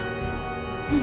うん！